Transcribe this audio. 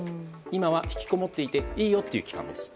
今はひきこもっていていいよという期間です。